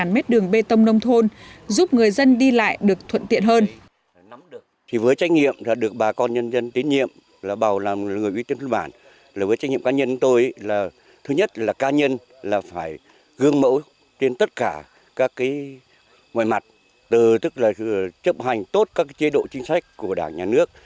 một mét đường bê tông nông thôn giúp người dân đi lại được thuận tiện hơn